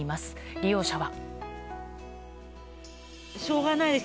利用者は。